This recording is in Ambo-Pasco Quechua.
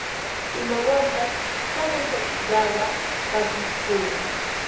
imawanpas takaykachisqaqa pakiqpuni